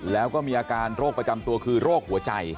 แล้วก็มีอาการโรคประจำตัวคือโรคหัวใจ